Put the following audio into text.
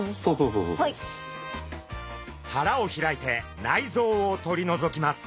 腹を開いて内臓を取り除きます。